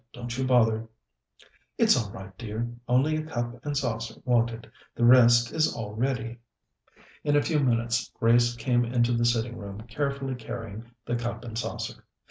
Don't you bother." "It's all right, dear, only a cup and saucer wanted; the rest is all ready." In a few minutes Grace came into the sitting room carefully carrying the cup and saucer.